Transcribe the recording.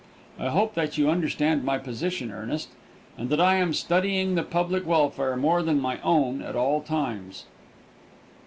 I hope that you understand my position, Earnest, and that I am studying the public welfare more than my own at all times.